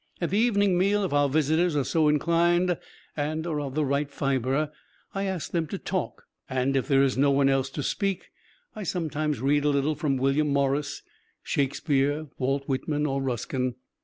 At the evening meal, if our visitors are so inclined, and are of the right fiber, I ask them to talk. And if there is no one else to speak, I sometimes read a little from William Morris, Shakespeare, Walt Whitman or Ruskin.